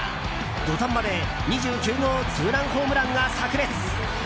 土壇場で２９号ツーランホームランが炸裂。